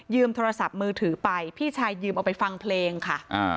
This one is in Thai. โทรศัพท์มือถือไปพี่ชายยืมเอาไปฟังเพลงค่ะ